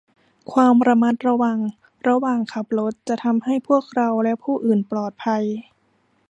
ความระมัดระวังระหว่างขับรถจะทำให้พวกเราและผู้อื่นปลอดภัย